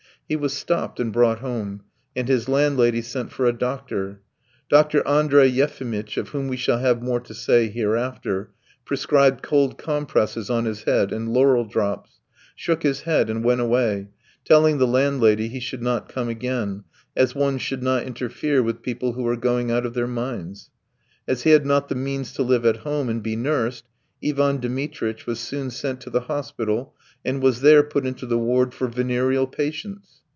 He was stopped and brought home, and his landlady sent for a doctor. Doctor Andrey Yefimitch, of whom we shall have more to say hereafter, prescribed cold compresses on his head and laurel drops, shook his head, and went away, telling the landlady he should not come again, as one should not interfere with people who are going out of their minds. As he had not the means to live at home and be nursed, Ivan Dmitritch was soon sent to the hospital, and was there put into the ward for venereal patients.